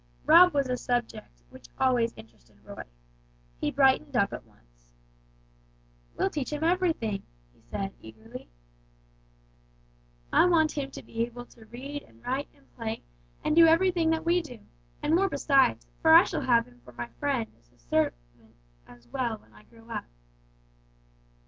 Rob was a topic which always interested Roy. He brightened up at once. "We'll teach him everything," he said, eagerly. "I want him to be able to read and write and play, and do everything that we do, and more besides, for I shall have him for my friend as well as a servant when I grow up."